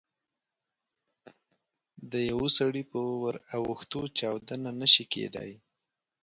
د یوه سړي په ور اوښتو چاودنه نه شي کېدای.